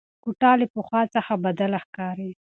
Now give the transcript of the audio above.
کوټه له پخوا څخه بدله ښکاري.